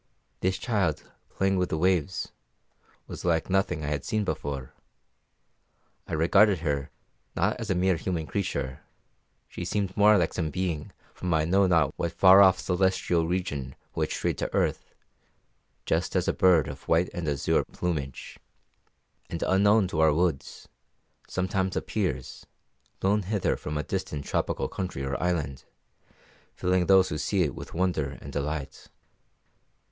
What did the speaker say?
This child, playing with the waves, was like nothing I had seen before. I regarded her not as a mere human creature; she seemed more like some being from I know not what far off celestial region who had strayed to earth, just as a bird of white and azure plumage, and unknown to our woods, sometimes appears, blown hither from a distant tropical country or island, filling those who see it with wonder and delight.